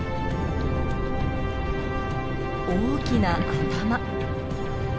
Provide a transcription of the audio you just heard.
大きな頭。